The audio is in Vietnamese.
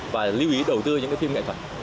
và lưu ý đầu tư những phim nghệ thuật